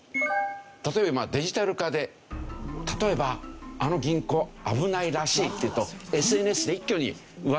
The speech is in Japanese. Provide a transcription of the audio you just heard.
例えばデジタル化で例えば「あの銀行危ないらしい」っていうとＳＮＳで一挙に噂が広まるでしょ。